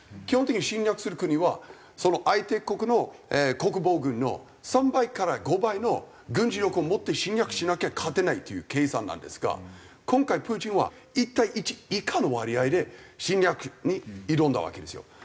基本的に侵略する国はその相手国の国防軍の３倍から５倍の軍事力を持って侵略しなきゃ勝てないっていう計算なんですが今回プーチンは１対１以下の割合で侵略に挑んだわけですよ。